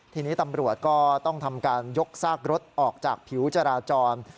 ทีนี้ตำรวจก็ต้องทำการยกซากรถออกจากผิวจราจร